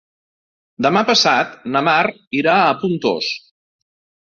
Demà passat na Mar irà a Pontós.